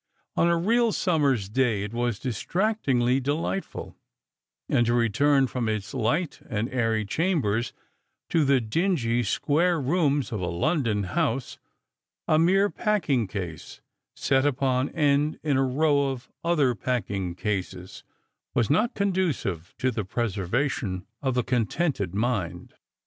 On a real summer's day it was distractingly delightful; and to return from its light and airy chambers to the dingy square rooma of a London house— a mere packing case set upon end in a row of other packing cases — was not conducive to the preservation, of a contented mind.